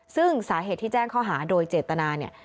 ซึ่งสาเหตุที่แจ้งข้อหาโดยเจตนาเนี่ย